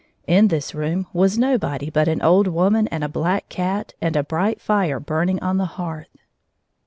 In this room was nobody but an old woman and a black cat and a bright fire burning on the hearth.